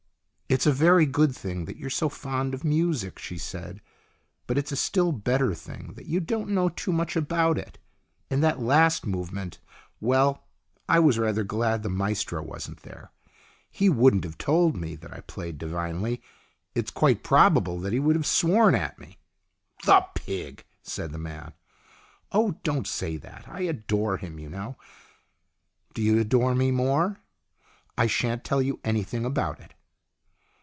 " It's a very good thing that you're so fond of music," she said. " But it's a still better thing that you don't know too much about it. In that last movement well, I was rather glad the maestro wasn't there. He wouldn't have told me that I played divinely. It is quite probable that he would have sworn at me." " The pig !" said the man. " Oh, don't say that. I adore him, you know." " Do you adore me more ?" "I shan't tell you anything about it."